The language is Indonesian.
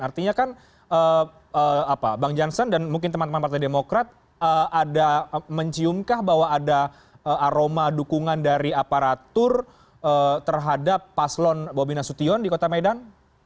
artinya kan bang jansen dan mungkin teman teman partai demokrat ada menciumkah bahwa ada aroma dukungan dari aparatur terhadap paslon bobi nasution di kota medan